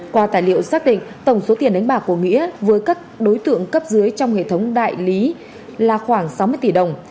qua tài liệu xác định tổng số tiền đánh bạc của nghĩa với các đối tượng cấp dưới trong hệ thống đại lý là khoảng sáu mươi tỷ đồng